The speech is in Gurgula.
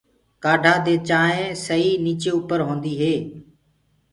ڪآڌآ دي چآنٚينٚ سئي نيچي اُپر هوندي هي۔